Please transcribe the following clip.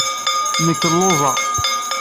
Nekk lluẓeɣ.